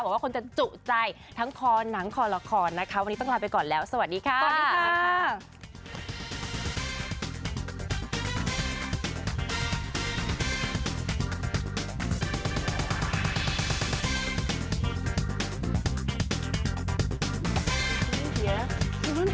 ขวามจำเสื่อมน่ะไม่ได้เป็นยาหอคน